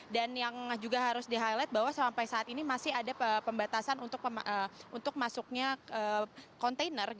dan yang juga harus di highlight bahwa sampai saat ini masih ada pembatasan untuk masuknya kontainer